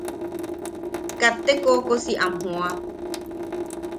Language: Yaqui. Katte koʼokosi am jooa.